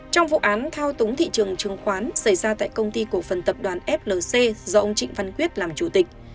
trong vụ án thao túng thị trường chứng khoán xảy ra tại công ty cổ phần tập đoàn flc do ông trịnh văn quyết làm chủ tịch